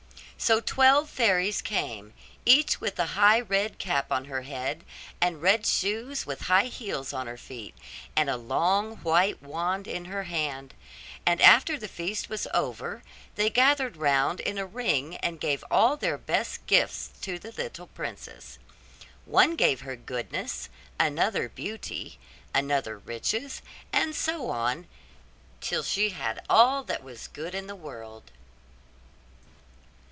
So twelve fairies came, each with a high red cap on her head, and red shoes with high heels on her feet, and a long white wand in her hand: and after the feast was over they gathered round in a ring and gave all their best gifts to the little princess. One gave her goodness, another beauty, another riches, and so on till she had all that was good in the world.